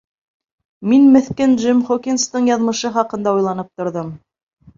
Мин меҫкен Джим Хокинстың яҙмышы хаҡында уйланып торҙом.